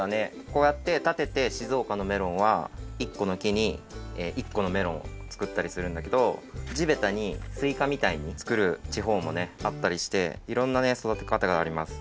こうやってたてて静岡のメロンは１このきに１このメロンをつくったりするんだけどじべたにスイカみたいにつくるちほうもあったりしていろんなそだてかたがあります。